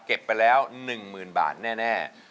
เก็บไปแล้ว๑หมื่นบาทแน่